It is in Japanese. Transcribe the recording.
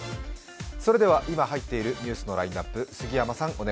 それでは今入っているニュースのラインナップです。